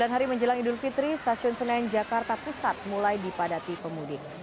sembilan hari menjelang idul fitri stasiun senen jakarta pusat mulai dipadati pemudik